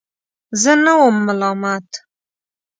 زه نه وم ملامت.